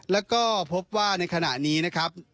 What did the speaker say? แล้วก็พบว่าในขณะนี้นะครับ